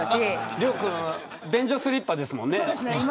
亮君便所スリッパですもんね。